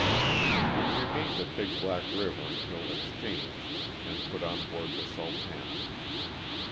We remained at Big Black River until exchanged and put on board the '* Sultana.''